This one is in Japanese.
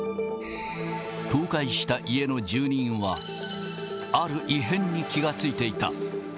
倒壊した家の住人は、ある異変に気が付いていた。